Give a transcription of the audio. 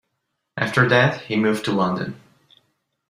After that, he moved to London.